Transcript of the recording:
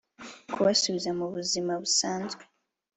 kubasubiza mu buzima busanzwe;